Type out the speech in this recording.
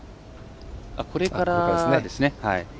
これからですね。